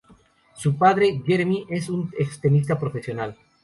Su padre, Jeremy, es un ex tenista profesional.